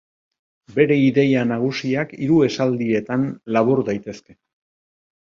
Bere ideia nagusiak hiru esaldietan labur daitezke.